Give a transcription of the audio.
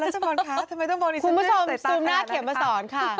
เอาล่ะจับมองค่ะทำไมต้องมองอีกทีใส่ตาแหละคุณผู้ชมซุ่มหน้าเขียนมาสอนค่ะ